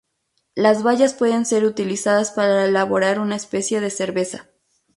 Las bayas pueden ser utilizadas para elaborar una especie de cerveza.